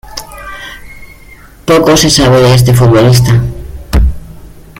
Poco se sabe de este futbolista.